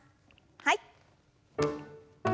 はい。